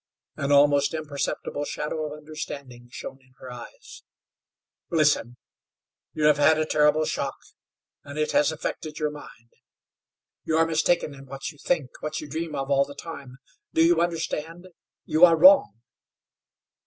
An almost imperceptible shadow of understanding shone in her eyes. "Listen. You have had a terrible shock, and it has affected your mind. You are mistaken in what you think, what you dream of all the time. Do you understand? You are wrong!"